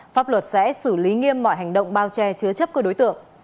đối tượng sẽ xử lý nghiêm mọi hành động bao che chứa chấp của đối tượng